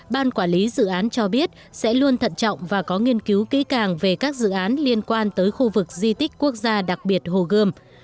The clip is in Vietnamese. ban quản lý dự án cho biết sẽ luôn thận trọng và có nghiên cứu kỹ càng về các dự án liên quan tới khu vực di tích quốc gia đặc biệt hồ gươm